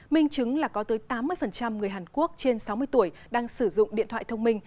minh chứng là có tới tám mươi người hàn quốc trên sáu mươi tuổi đang sử dụng điện thoại thông minh